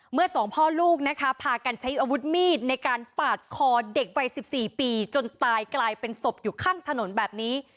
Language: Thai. สองพ่อลูกนะคะพากันใช้อาวุธมีดในการปาดคอเด็กวัย๑๔ปีจนตายกลายเป็นศพอยู่ข้างถนนแบบนี้